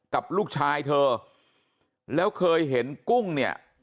กับลูกชายเธอแล้วเคยเห็นกุ้งเนี่ย